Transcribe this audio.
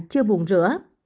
chưa buồn rửa